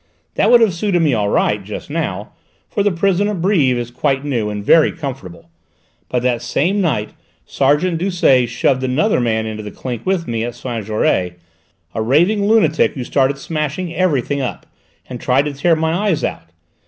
That would have suited me all right just now, for the prison at Brives is quite new and very comfortable, but that same night Sergeant Doucet shoved another man into the clink with, me at Saint Jaury, a raving lunatic who started smashing everything up, and tried to tear my eyes out.